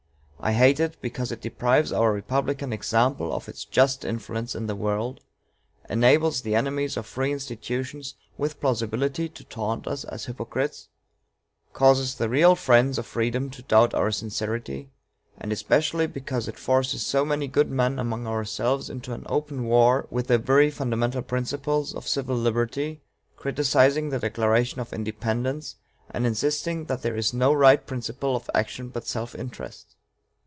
I hate it because it deprives our republican example of its just influence in the world; enables the enemies of free institutions, with plausibility, to taunt us as hypocrites; causes the real friends of freedom to doubt our sincerity; and especially because it forces so many good men among ourselves into an open war with the very fundamental principles of civil liberty, criticizing the Declaration of Independence, and insisting that there is no right principle of action but self interest....